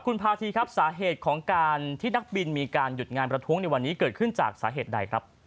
คุณพาธีครับสาเหตุของการที่นักบินมีการหยุดงานประท้วงในวันนี้เกิดขึ้นจากสาเหตุใดครับ